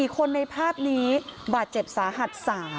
๔คนในภาพนี้บาดเจ็บสาหัส๓